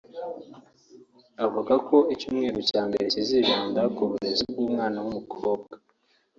Avuga ko icyumweru cya mbere kizibanda ku burezi bw’umwana w’umukobwa